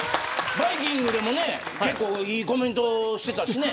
バイキングでも結構いいコメントしてたしね。